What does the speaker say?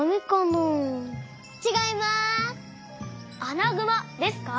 アナグマですか？